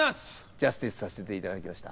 ジャスティスさせて頂きました。